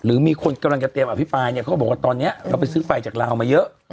มีคนกำลังจะเตรียมอภิปรายเนี่ยเขาก็บอกว่าตอนนี้เราไปซื้อไฟจากลาวมาเยอะ